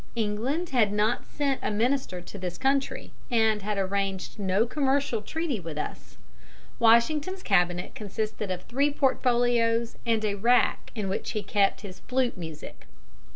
England had not sent a minister to this country, and had arranged no commercial treaty with us. Washington's Cabinet consisted of three portfolios and a rack in which he kept his flute music.